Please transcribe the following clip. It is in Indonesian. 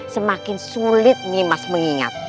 semakin sulit nimas mengingat